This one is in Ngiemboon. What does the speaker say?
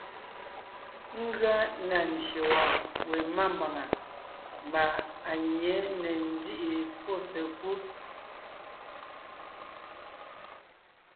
Ngʉa na ndyè wɔ̀ɔn we mámbàŋa mbà à nyě ne ńzíʼi pɔ́ sekúd.